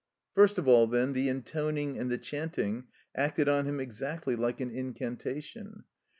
First of all, then, the intoning and the chanting acted on him exactly like an incantation.